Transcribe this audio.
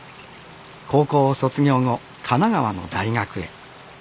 高校を卒業後神奈川の大学へ。